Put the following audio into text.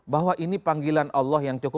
bahwa ini panggilan allah yang cukup